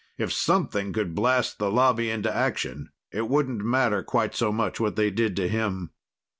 If something could blast the Lobby into action, it wouldn't matter quite so much what they did to him.